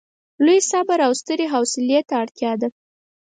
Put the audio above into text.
لوی صبر او سترې حوصلې ته اړتیا ده.